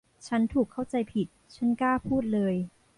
ฉันถูกเข้าใจผิด ฉันกล้าพูดเลย